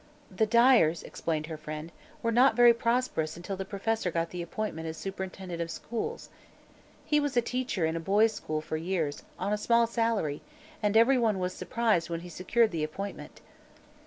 "The Dyers," explained her friend, "were not very prosperous until the Professor got the appointment as superintendent of schools. He was a teacher in a boys' school for years, on a small salary, and everyone was surprised when he secured the appointment."